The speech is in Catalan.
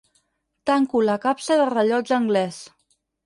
Tanco la capsa del rellotge anglès.